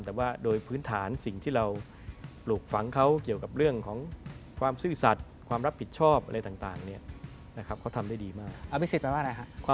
แต่ว่าโดยพื้นฐานสิ่งที่เราปลูกฝังเขาเกี่ยวกับเรื่องของความซื่อสัตว์ความรับผิดชอบอะไรต่างเนี่ยนะครับเขาทำได้ดีมากไม่เคยแปลว่าอะไรฮะ